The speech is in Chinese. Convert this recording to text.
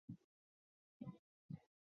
接触金属表面的水通常含有溶解氧。